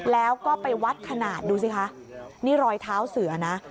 แล้วก็ไปวัดขนาดดูสิคะนี่รอยเท้าเสือนะ